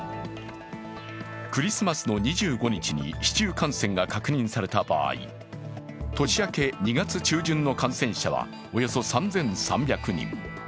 クリスマスの２５日に市中感染が確認された場合、年明け２月中旬の感染者はおよそ３３００人。